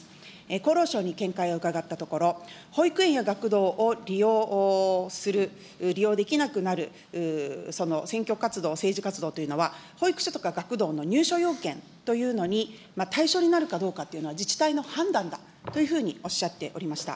厚労省に見解を伺ったところ、保育園や学童を利用する、利用できなくなる、選挙活動、政治活動というのは、保育所とか学童の入所要件というのに対象になるかどうかというのは、自治体の判断だというふうにおっしゃっておりました。